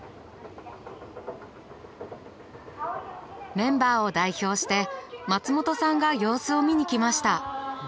メンバーを代表して松本さんが様子を見に来ました。